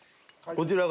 こちらが。